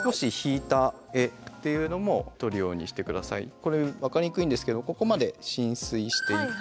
これ分かりにくいんですけどここまで浸水していて。